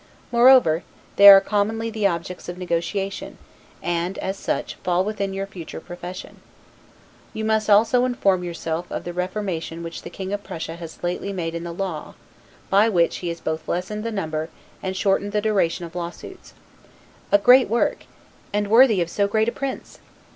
Moreover, they are commonly the objects of negotiation, and, as such, fall within your future profession. You must also inform yourself of the reformation which the King of Prussia has lately made in the law; by which he has both lessened the number, and shortened the duration of law suits; a great work, and worthy of so great a prince!